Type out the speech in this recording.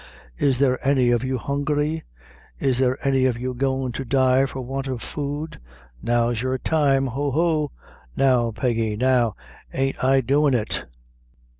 Is there any of you hungry? Is there any of you goin' to die for want of food? Now's your time ho, ho! Now, Peggy, now. Amn't I doin' it?